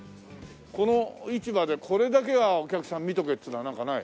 この市場でこれだけはお客さん見とけっつうのはなんかない？